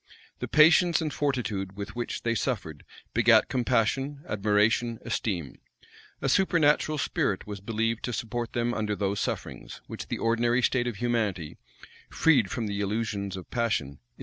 The patience and fortitude with which they suffered, begat compassion, admiration, esteem.[*] A supernatural spirit was believed to support them under those sufferings, which the ordinary state of humanity, freed from the illusions of passion, is unable to sustain.